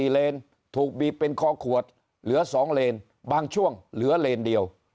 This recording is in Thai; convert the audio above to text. เลนถูกบีบเป็นคอขวดเหลือ๒เลนบางช่วงเหลือเลนเดียว